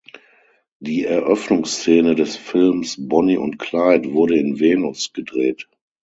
Die Eröffnungsszene des Films Bonnie und Clyde wurde in Venus gedreht.